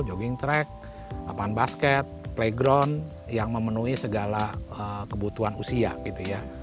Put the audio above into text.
jogging track lapangan basket playground yang memenuhi segala kebutuhan usia gitu ya